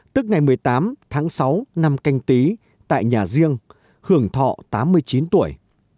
tức ngày một mươi tám tháng sáu năm canh tí tại nhà riêng hưởng thọ tám mươi chín tuổi